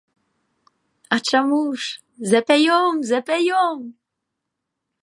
А чаму ж, запяём, запяём.